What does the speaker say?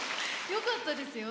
よかったですよ。